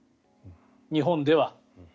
日本では。